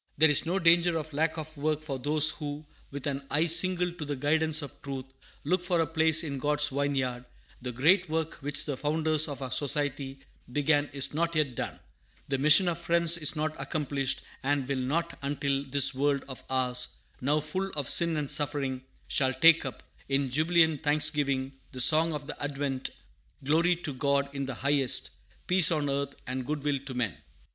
There is no danger of lack of work for those who, with an eye single to the guidance of Truth, look for a place in God's vineyard; the great work which the founders of our Society began is not yet done; the mission of Friends is not accomplished, and will not be until this world of ours, now full of sin and suffering, shall take up, in jubilant thanksgiving, the song of the Advent: "Glory to God in the highest! Peace on earth and good will to men!"